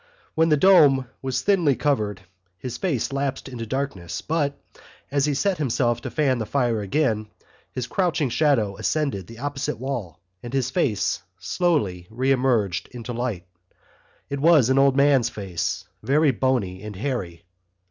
When the dome was thinly covered his face lapsed into darkness but, as he set himself to fan the fire again, his crouching shadow ascended the opposite wall and his face slowly re emerged into light. It was an old man's face, very bony and hairy.